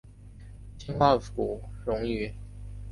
氟化汞溶于氢氟酸和稀硝酸。